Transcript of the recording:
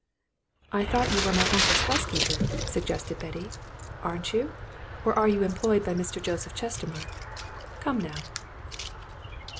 "I thought you were my uncle's housekeeper," suggested Betty. "Aren't you? Or are you employed by Mr. Joseph Chestermarke? Come, now?"